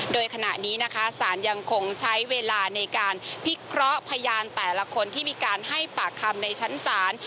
โดยขณะนี้นะคะสารยังคงใช้เวลาในการพิเคราะห์พยานแต่ละคนที่มีการให้ปากคำในชั้นศาล